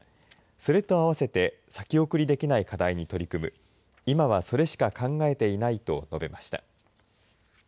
それとあわせて先送りできない課題に取り組む今はそれしか考えていないと述べました。